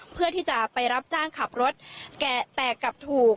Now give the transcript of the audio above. เพื่อที่จะไปรับจ้างขับรถแกะแตกกลับถูก